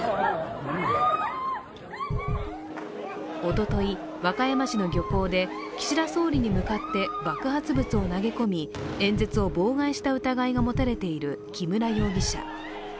おととい、和歌山市の漁港で岸田総理に向かって爆発物を投げ込み、演説を妨害した疑いが持たれている木村容疑者。